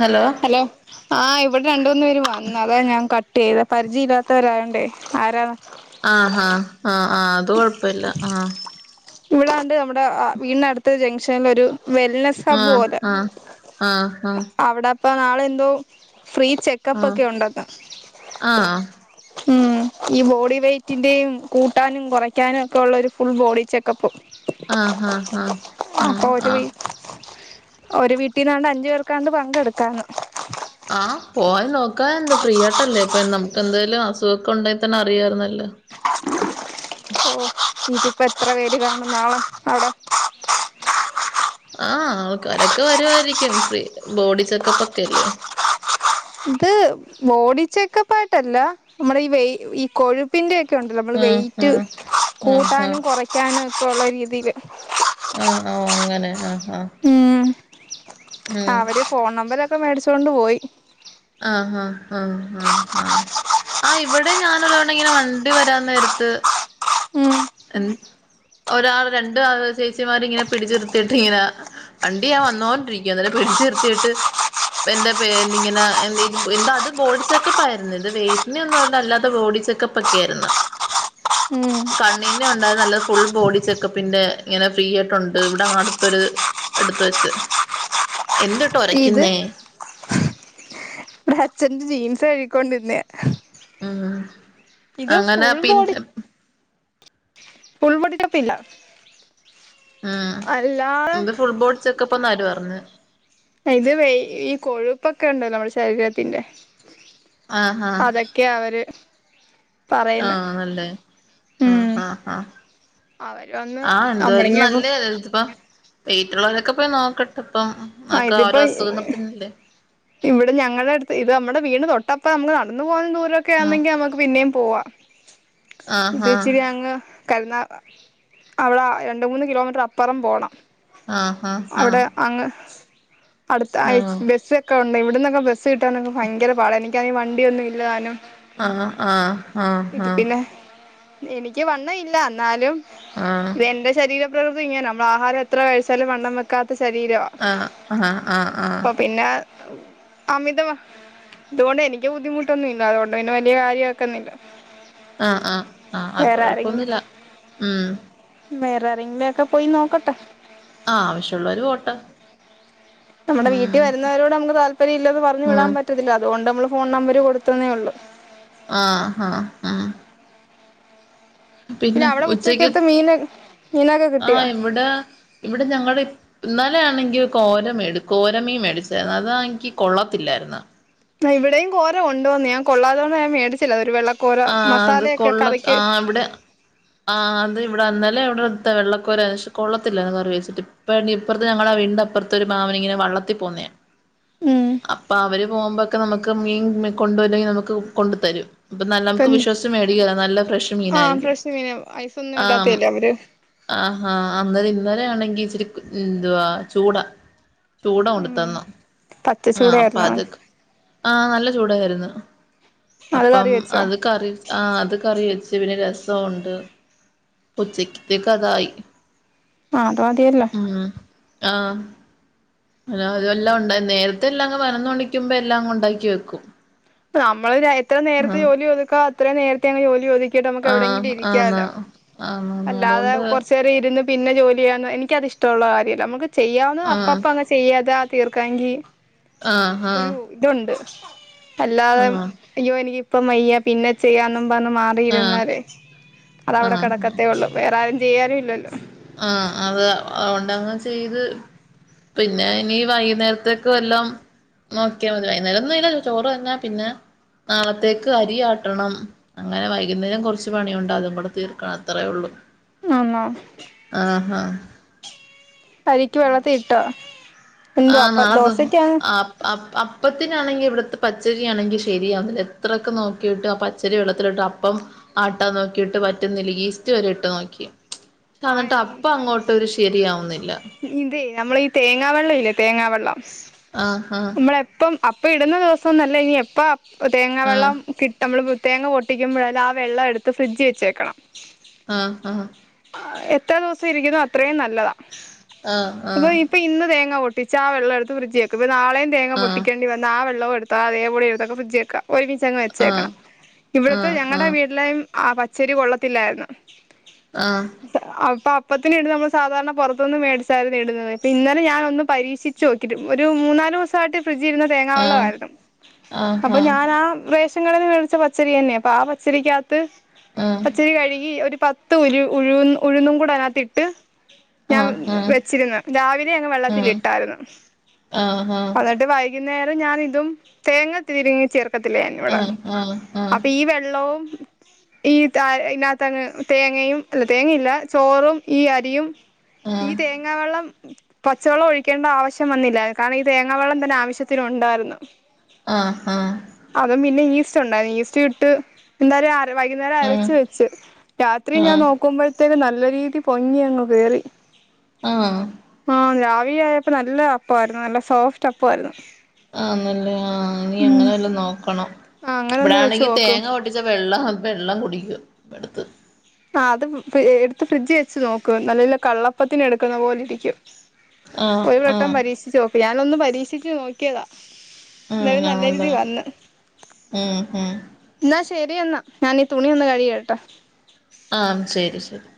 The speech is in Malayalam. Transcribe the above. ഹലോ ഹലോ ആഹ് ഇവിടെ രണ്ട് മൂന്ന് പേര് വന്നു അതാ ഞാൻ കട്ട് ചെയ്ത പരിചയമല്ലാത്തവരായണ്ടേ ആരാ ആഹ് ആഹ് ആഹ് ആഹ് അത് കൊഴപ്പില്ല ആഹ് ഇവിടെണ്ട് നമ്മുടെ വീടിനടുത്ത ജംഗ്ഷനിൽ ഒരു വെള സബ് ആഹ് പോലെ ആഹ് ആഹ് അവിടെ അപ്പൊ നാളെ എന്തോ ഫ്രീ ആഹ് ചെക്കപ്പ്ക്കെ ഉണ്ടന്ന്‌ ആഹ് ഉം ഈ ബോഡി വെയ്റ്റിന്റെയും കൂട്ടാനും കുറയ്ക്കാനും ഒക്കെള്ള ഒരു ഫുൾ ബോഡി ചെ [unintelligible] ആഹ് ആഹ് ആഹ് ആഹ് ഒരു വീ ആഹ് ഒരു വീട്ടീന്നാണ്ട് അഞ്ചു പേർക്കാണ്ട് പങ്കെടുക്കാന്ന് ആഹ് പോയി നോക്കാനേ എന്താ ഫ്രീ ആയിട്ടല്ലേ ഇപ്പ നമുക്ക് എന്തേലും അസുഖമൊക്കെ ഉണ്ടായി തന്നെ അറിയാരുന്നല്ലോ ഓ ഇനിതിപ്പ എത്ര പേര് കാണും നാളെ അവിടെ ആഹ് ആൾക്കാരൊക്കെ വരുമായിരിക്കും ഫ്രീ ബോഡി ചെക്കപ്പ്ക്കെല്ലേ ഇത് ബോഡി ചെക്കപ്പ് ആയിട്ടല്ല നമ്മുടെ ഈ വേ ഈ കൊഴു പ്പിന്റെ ഒക്കെ ഉണ്ടല്ലോ നമ്മള് ആഹ് വെയിറ്റ് ആഹ് ആഹ് ആഹ് കൂട്ടാനും കുറയ്ക്കാനും ഒക്കെള്ള രീതിയില് ആഹ് ആഹ് അങ്ങനെ ആഹ് ആഹ് ഉം ഉം അവര് ഫോൺ നമ്പർക്കെ മേടിച്ചൊണ്ട് പോയി ആഹ് ആഹ് ആഹ് ആഹ് ആഹ് ആഹ് ഇവിടെ ഞാൻ ഒരാള് ഇങ്ങനെ വണ്ടി വരാൻ നേരത്ത് ഉം ഒരാൾ രണ്ട് ചേച്ചിമാര്ങ്ങനെ പിടിച്ചിർത്തിട്ട് ഇങ്ങനെ വണ്ടി ആഹ് വന്നോണ്ടിരിക്കണ്‌ അവരെ പിടിച്ചു നിർത്തിട്ട് എന്താ എ ഇങ്ങനെ എ എന്താ അത് ബോഡി ചെക്കപ്പ് ആയിരുന്നു ഇത് വെറ്റിനെ ഒന്ന പറഞ്ഞാ അല്ലാതെ ബോഡി ചെക്ക പ്പക്കെയായിരുന്നു ഉം കണ്ണിന്റെ ഉണ്ടായത് നല്ല ഫുൾ ബോഡി ചെക്കപ്പിന്റെ ഇങ്ങനെ ഫ്രീ ആയിട്ടുണ്ട് ഇവിടെ അടുത്തൊരു അടുത്ത് വെച്ച് എന്ത്വാ ഇട്ട് ഇത് ഉരയ്ക്കുന്നേ ഇവിടെ അച്ഛന്റെ ജീൻസ് കഴിക്കൊണ്ടിരുന്ന ഉം അങ്ങനെ ഫുൾ ബോഡി പിന്നെ ഫുൾ ചെക്കപ്പ് ഇല്ല ഉം അല്ലാതെ ഇത് ഫുൾ ബോഡി ചെക്കപ്പന്ന അവര് പറഞ്ഞ ഇത് വേ ഈ കൊഴുപ്പൊക്കെ ഉണ്ടല്ലോ നമ്മുടെ ശരീരത്തിന്റെ ആഹ് ആഹ് ഒക്കെ അവര് പറയുന്നെ ആഹ് നല്ലേ ആഹ് ഉം ആഹ് ആഹ് അവര് വന്ന് ആഹ് എന്തായാലും നമ്മളിങ്ങനെ നല്ലയാ ഇതിപ്പം വീട്ടിലുള്ളവരൊക്കെ പോയി നോക്കട്ടെ ഇപ്പം ആ ഇതിപ്പോ ഓരോ അസുഖത്തിനല്ലേ ഇവിടെ ഞങ്ങളുടെ അടുത്ത് ഇത് നമ്മടെ വീട് തൊട്ടപ്പ നമുക്ക് നടന്ന് പോകുന്ന ദൂരമൊക്കെ ആണെങ്കി നമുക്ക് പിന്നെയും പോവാ ആഹ് ആഹ് ഇത്ച്ചിരി അങ്ങ് കരുന്നാക അവടെ രണ്ട് മൂന്ന് കിലോമീറ്റർ അപ്പുറം പോണം ആഹ് ഹാ ഹാ അവിടെ അങ്ങ് അടുത്ത അയ് ബസ് ക്കെ ഒണ്ട് ഇവിടുന്നക്കെ ബസ്സ് കിട്ടാനൊക്കെ ഭയങ്കര പാട എനിക്കാണെ വണ്ടിയൊന്നും ഇല്ലതാനും ആഹ് ആഹ് ആഹ് ഇത് ആഹ് പിന്നെ എനിക്ക് വണ്ണ ഇല്ല എന്നാലും ആഹ് ഇത് എന്റെ ശരീര പ്രകൃതി ഇങ്ങന നമ്മള് ആഹാരം എത്ര കഴിച്ചാലും വണ്ണം വെക്കാത്ത ശരീരാ ആഹ് അഹാ ആഹ് ആഹ് പിന്നെ അമിത തുകൊണ്ട് എനിക്ക് ബുദ്ധിമുട്ടൊന്നുല്ല അതുകൊണ്ടന്നെ വല്ല്യ കാര്യക്കന്നില്ല ആഹ് ആഹ് ആഹ് അത് കൊഴപ്പൊന്നുല്ല ഉം മേരാ റി മക്കയി നോകട്ടെ ആഹ് അവശ്യമുള്ളരു പോട്ടെ നമ്മടെ വീട്ടി ഉം വരുന്നവരോട് നമക്ക് താല്പര്യം ഇല്ലന്ന് പറഞ്ഞു വിടാൻ പറ്റത്തില്ല അതുകൊണ്ട് നമ്മള് ഫോൺ നമ്പര് കൊടുത്തന്നേള്ളൂ ആഹ് ആഹ് ആഹ് പിന്നെ അവിടെ ഉച്ചക്ക് ഉച്ചക്കത്തെ മീന് മീനൊക്കെ കിട്ടിയോ ആഹ് ഇവിടെ ഇവിടെ ഞങ്ങള് ഇന്നലേണെങ്കി കോര മേട് കോരമീൻ മേടിച്ചരുന്നു അതാണെങ്കി കൊള്ളത്തില്ലാര്ന്ന് ഇവിടെയും കോര കൊണ്ടോന്ന് ഞാൻ കൊള്ളാതോണ്ട് ഞാൻ മേടിച്ചില്ല ഒരു വെള്ളക്കോര മസാലയക്കെ കറിക്ക് നമ്മുടെ ആഹ് അത് ഇവിട ഇന്നലെ ഇവിടുത്ത വെള്ളക്കോര ഷ് കൊള്ളത്തില്ലർന്ന് കറി വച്ചിട്ട് പ്പ ഇപ്പർത്തെ ഞങ്ങള ആഹ് വീടിന്റെ ഇപ്പുറ ത്തൊരു മാമൻ ഇങ്ങനെ വള്ളത്തി പോന്നേയ ഉം അപ്പൊ അവര് പോകുമ്പോക്കെ നമക്ക് മീൻ കൊണ്ട പോല്ലെങ്കിൽ നമുക്ക് കൊണ്ടു തരും അപ്പൊ നല്ല നമുക്ക് പിന്നെ വിശ്വാസച്ച് മേടിക്കൻ നല്ല ഫ്രഷ് ആ മീനായിരിക്കും ഫ്രഷ് മീന ഐസൊന്നും ആഹ് ഇടാത്തല്ലേ അവര് ആഹ് ആഹ് അന്നര് ഇന്നലെ ആണെങ്കിൽ ഇച്ചിരി എന്തുവാ ചൂടാ ചൂട ഉം കൊണ്ടുത്തന്നു ആഹ് അപ്പൊ പച്ചച്ചൂടായിരുന്നു അത് ആഹ് നല്ല ചൂടയാരുന്നു അത് കറി അപ്പം വെച്ചോ അത് കറി ആഹ് അത് കറി വെച്ച് പിന്നെ രസം ഒണ്ട് ഉച്ചക്കത്തേക്കതായി ആഹ് അത് മതിയല്ലൊ ഉം ആഹ് അഹ് അതെല്ലാം ഉണ്ടരുന്ന് നേരത്തെ എല്ലാം അങ് പതിനോന്ന് മണിക്ക് മുബേ എല്ലാം അങ് ഉണ്ടാക്കി വെക്കും നമ്മള് എത്ര നേരത്തെ ആഹ് ജോലി ഒത്ക്കാവോ അത്ര നേരത്തങ്ങ് ജോലി ഒത് ക്കിട്ട് നമുക്ക് എവിടെങ്കിലും ആഹ് ആന്ന് ഇരിക്കല്ലോ ആന്നാന്ന് അല്ലാതെ അതുകൊണ്ട് കൊറച്ചേരം ഇരുന്ന് പിന്നെ ജോലി ചെയ്യാവ എനിക്കത്ഷ്ടമുള്ള കാര്യമല്ല നമുക്ക് ചെയ്യാവുന്ന ആഹ് അപ്പപ്പം അങ്ങനെ ചെയ്യാതാ തീർക്കാങ്കി ആഹ് ആഹ് ഇതൊണ്ട് അല്ലാതെ ആഹ് അയ്യോ എനിക്കിപ്പം വയ്യ പിന്നെ ചെയ്യന്നും പറഞ്ഞ് മാ ആഹ് റിയിരുന്നാലേ അത് അവിടെ ആഹ് കിടക്കത്തേ ഉള്ളൂ വേറെ ആരും ചെയ്യാനും ഇല്ലല്ലോ ആഹ് അത് അതുകൊണ്ടങ്ങെ ചെയ്ത് പിന്നെ ഇനി വൈകുന്നേരത്തേക്ക് വല്ലം നോക്കിയ മതി വൈനേരന്നും ഇല്ല ചോറ് തന്നാ പിന്നെ നാളത്തേക്ക് അരിയാട്ടണം അങ്ങനെ വൈകുന്നേരം കുറച്ച് പണിയുണ്ട് അതും കൂടെ തീർക്കണം അത്രേ ഉള്ളൂ ആണോ ആഹ് ആഹ് അരിക്ക് വെള്ളത്തിട്ടോ എന്തുവാ അപ്പ ദോശക്കാണ് അ അപ്പത്തിനാണെങ്കി ഇവിടുത്തെ പച്ചരിയാണെങ്കി ശരിയാവുന്നില്ല എത്രൊക്കെ നോക്കിട്ട് ആഹ് പ ച്ചരി വെള്ളത്തിലിട്ട് അപ്പം ആട്ടാൻ നോക്കിട്ട് പറ്റുന്നില്ല ഈസ്റ്റ് വരെട്ട് നോക്കി അന്നട്ട് ആ അപ്പം അങ്ങോട്ട് ഒരു ശരിയാവുന്നില്ല ഇതെ നമ്മളെ ഈ തേങ്ങാവെള്ളം ഇല്ലേ തേങ്ങാവെള്ളം ആഹ് ആഹ് മളേ എപ്പം അപ്പ ഇടുന്ന ദിവസം എന്നല്ല ഇനി എപ്പ അഹ് തേങ്ങ ആഹ് വെള്ളം കി നമ്മള്പ്പം തേങ്ങ പൊട്ടിക്കുമ്പോഴാലും ആഹ് വെള്ളം എടുത്ത് ഫ്രിഡ്ജി വെച്ചേക്കണം ആഹ് ആഹ് എത്ര ദിവസം ഇരിക്കുന്നോ അത്രയും നല്ലതാ ആഹ് ആഹ് ഇപ്പി ഇന്ന് തേങ്ങ പൊട്ടിച്ച ആഹ് വെള്ളം എടുത്ത് ഫ്രഡ്ജിവെക്കും ഇപ്പ നാളെയും തേങ്ങ ആഹ് പൊട്ടിക്കേണ്ടിവന്ന ആഹ് വെള്ളം എടുത്ത് താഴെ പൊളി എടുത്തക്ക് ഫ്രഡ്ജി വെക്ക ഒരുമിച്ച് അങ്ങ് ആഹ് ആഹ് വെച്ചേക്കണം ഇടുത്തെ ഞങ്ങളടെ ആഹ് വീട്ടിലെയും ആഹ് പച്ചരി കൊള്ളത്തില്ലായിരുന്നു ആഹ് അപ്പൊ അപ്പത്തിനെണ്ട് നമ്മൾ സാധാരണ പൊറത്തുന്ന് മേടിച്ചായിരുന്നു ഇടുന്നത് ഇന്നലെ ഞാൻ ഒന്ന് പരീഷി ച്ചു നോക്കി ഒരും മൂന്നാല് ഊസായിട്ട് ഫ്രിഡ്ജി ഇരുന്ന തേങ്ങാവെള്ള ആയിരുന്നു ആഹ് ആഹ് ആഹ് അപ്പൊ ഞാൻ ആഹ് റേഷൻ കടേന്ന് വേ ച്ച പച്ചരി തന്നെ അപ്പ ആ പച്ചരിക്കകത്ത് ആഹ് പച്ചരി കഴുകി ഒരു പത്ത് ഉരു ഉഴുന്ന് ഉഴുന്നും കൂടെ അതിനകത്തി ഇട്ട് ഞാൻ ആഹ് ആഹ് ആഹ് ആഹ് വെച്ചിര്ന്ന് രാവിലെ അങ്ങ് വെള്ളത്തില് ഇട്ടായിര്ന്ന് ആ ആ അന്ന്ട്ട് വൈകുന്നേരം ഞാനിതും തേങ്ങ തിരിങ്ങി ചേർ ക്കത്തില്ലെ എന്നോട ആഹ് ആഹ് അപ്പൊ ഈ വെള്ളവും ഈ താ ഇന്നാത്തങ്ങ് തേങ്ങയും അല്ല തേങ്ങയില്ല ചോറും ഈ അരിയും ഈ തേങ്ങാവെള്ളം പച്ചവെള്ളം ഒഴിക്കേണ്ട ആവശ്യം വന്നില്ല കാരണം ഈ തേങ്ങ വെള്ളം തന്നെ ആവശ്യത്തിന് ഒണ്ടായിരുന്നു ആഹ് ആഹ് അതും പിന്നെ ഈസ്റ്റ് ഒണ്ടയി ഈസ്റ്റ് ഇട്ട് എന്താര് വൈകുന്നേരം ആഹ് ആഹ് ആഹ് അരച്ച് വെച്ച് രാത്രി ഉം ഞാൻ ആഹ് നോക്കുമ്പോഴ്ത്തേന് നല്ല രീതി പൊങ്ങി അങ്ങ് കേറി ആഹ് ആ രാവിലെ ആയപ്പോ നല്ല അപ്പം ആയിരുന്നു നല്ല സോഫ്റ്റ് അപ്പം ആയിരുന്നു ആ നല്ലെ ആ ഇനി അങ്ങനെ വല്ലോ നോക്കണം ആഹ് അങ്ങനൊന്ന് വെച്ച് ഇവ്ടാണെങ്കി നോക്ക് തേങ്ങ പൊട്ടിച്ച വെള്ള വെള്ളം കുടിക്കും എടുത്ത് ആ അത് എടുത്ത് ഫ്രിഡ്ജി വെച്ച് നോക്ക് നല്ല കള്ളപ്പത്തിന് എടുക്ക്ന്ന പോലിരിക്കും ആഹ് ഒരു വട്ടം ആഹ് പരീക്ഷിച്ച് നോക്ക് ഞാനൊന്ന് പരീക്ഷിച്ച് നോക്കിയതാ ഉം എന്തായാലും നല്ല ആണല്ലെ രീതി വന്ന് ഉം ഉം ന്നാ ശരിയെന്നാ ഞാനീ തുണി ഒന്ന് കഴികിയിടട്ടെ ആഹ് ശെരി ശെരി